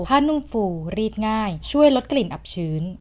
นุ่มฟูรีดง่ายช่วยลดกลิ่นอับชื้น